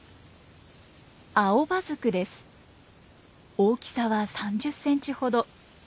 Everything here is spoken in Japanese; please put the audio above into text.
大きさは３０センチほど。